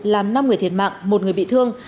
làm năm người thiệt mạng một người bị thương